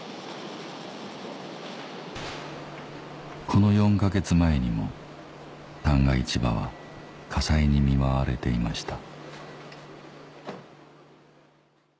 この４か月前にも旦過市場は火災に見舞われていました